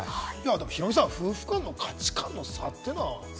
ヒロミさん、夫婦間の価値観の差というのはね。